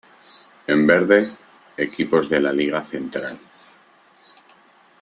En verde, equipos de la Liga Central.